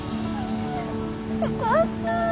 よかった！